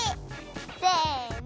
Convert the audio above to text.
せの。